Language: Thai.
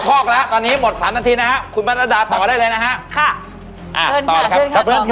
คอกแล้วตอนนี้หมดสามนาทีนะคะคุณพรรดาตอบได้เลยนะฮะค่ะอ่า